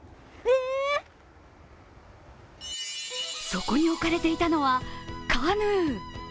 そこに置かれていたのはカヌー。